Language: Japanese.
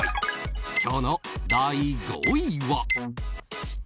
今日の第５位は。